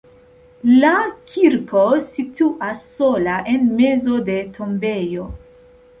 La kirko situas sola en mezo de tombejo.